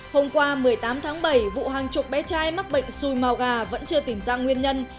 hôm qua một mươi tám tháng bảy vụ hàng chục bé trai mắc bệnh sui mò gà vẫn chưa tìm ra nguyên nhân